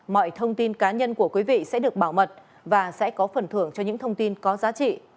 mọi thông tin cá nhân của quý vị sẽ được bảo mật và sẽ có phần thưởng cho những thông tin có giá trị